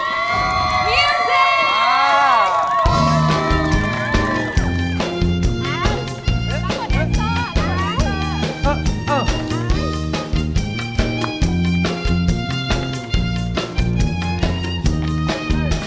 มิวซิก